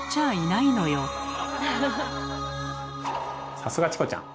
さすがチコちゃん！